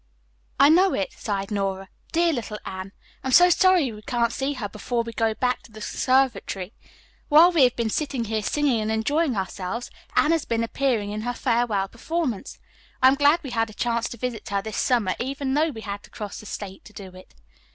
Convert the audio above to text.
"I know it," sighed Nora. "Dear little Anne! I'm so sorry we can't see her before we go back to the conservatory. While we have been sitting here singing and enjoying ourselves, Anne has been appearing in her farewell performance. I am glad we had a chance to visit her this summer, even though we had to cross the state to do it."